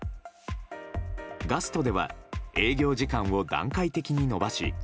ガストでは営業時間を段階的に延ばし